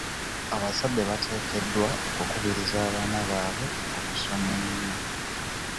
Abazadde bateekeddwa okukubiriza abaana baabwe okusoma ennyo.